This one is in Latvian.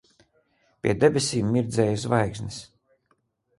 Pie debesīm mirdzēja zvaigznes.